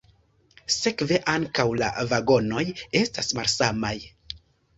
Sekve ankaŭ la vagonoj estas malsamaj.